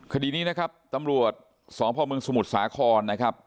คดีนี้นะครับตำรวจสพมสมุทรสาครนะครับ